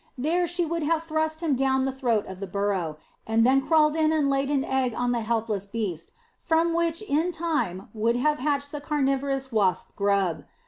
There she would have thrust him down the throat of the burrow, and then crawled in and laid an egg on the helpless beast, from which in time would have hatched the carnivorous wasp grub.